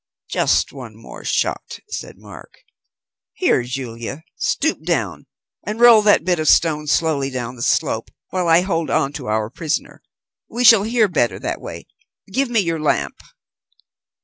"Just one more shot," said Mark. "Here, Julia, stoop down, and roll that bit of stone slowly down the slope, while I hold on to our prisoner. We shall hear better that way. Give me your lamp."